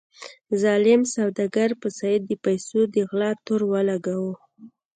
ظالم سوداګر په سید د پیسو د غلا تور ولګاوه.